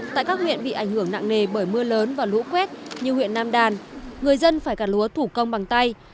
tại các huyện bị ảnh hưởng nặng nề bởi mưa lớn và lũ quét như huyện nam đàn người dân phải gạt lúa thủ công bằng tay